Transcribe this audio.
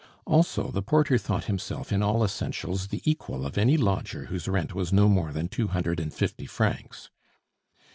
Also, the porter thought himself in all essentials the equal of any lodger whose rent was no more than two hundred and fifty francs.